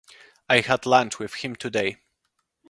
I had lunch with him today.